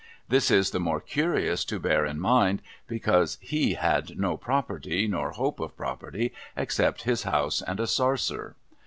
This is the more curious to bear in mind, because he had no property, nor hope of property, except his house and a sarser.